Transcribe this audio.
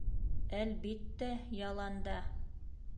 — Әлбиттә, яланда.